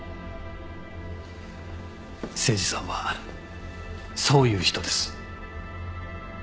誠司さんはそういう人です。